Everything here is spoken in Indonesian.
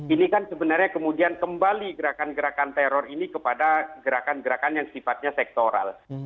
ini kan sebenarnya kemudian kembali gerakan gerakan teror ini kepada gerakan gerakan yang sifatnya sektoral